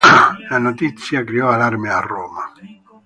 La notizia creò allarme a Roma.